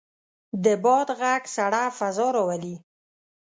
د باد غږ سړه فضا راولي.